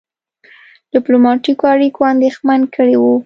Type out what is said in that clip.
ډيپلوماټیکو اړیکو اندېښمن کړی وو.